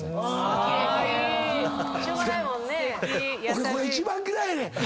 俺これ一番嫌いやねん。